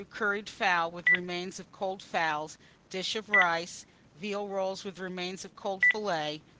Curried fowl with remains of cold fowls, dish of rice, veal rolls with remains of cold fillet.